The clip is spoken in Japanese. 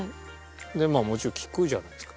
もちろん聴くじゃないですか。